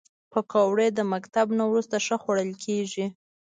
پکورې د مکتب نه وروسته ښه خوړل کېږي